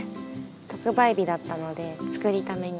特売日だったので作りために。